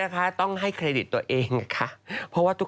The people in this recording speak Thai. ไปยิ้มวงเล็บ